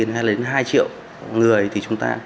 hay đến hai triệu người